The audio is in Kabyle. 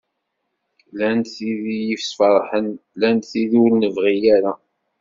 Llant tid iyi-ferḥen llant tid ur nebɣi ara.